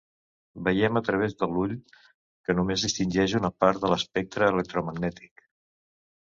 Veiem a través de l'ull, que només distingeix una part de l'espectre electromagnètic.